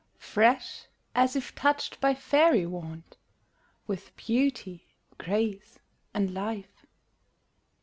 Fresh, as if touched by fairy wand, With beauty, grace, and life.